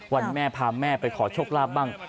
แม่พาแม่ไปขอโชคลาภบ้าง